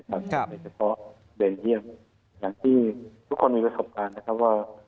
โดยเฉพาะเบลเยี่ยมอย่างที่ทุกคนมีประสบการณ์นะครับว่า